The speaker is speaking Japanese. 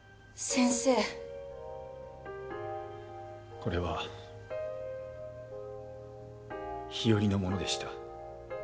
これは日和のものでした。